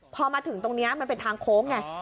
พอมาถึงตรงนี้มันเป็นทางโค้งไง